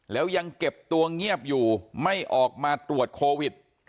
แล้วยังเก็บตัวเงียบอยู่ไม่ออกมาตรวจโควิด